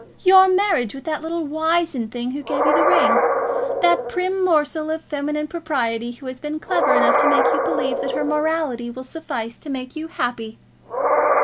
"Your marriage with that little wizened thing who gave you the ring that prim morsel of feminine propriety who has been clever enough to make you believe that her morality would suffice to make you happy."